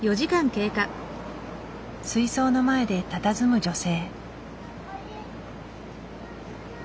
水槽の前でたたずむ女性。